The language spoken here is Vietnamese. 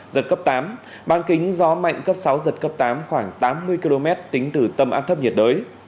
giật cấp tám bán kính gió mạnh cấp sáu giật cấp tám khoảng tám mươi km tính từ tâm áp thấp nhiệt đới